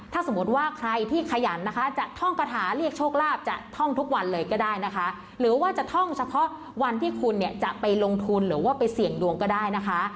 ถ้าสมมติว่าใครที่ขยันนะคะจะท่องกระถาเรียกโชคลาภจะท่องทุกวันเลยก็ได้นะคะหรือว่าจะท่องเฉพาะวันที่คุณเนี่ยจะไปลงทุนหรือว่าไปเสี่ยงดวงก็ได้นะคะ